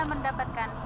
aku belum akan tau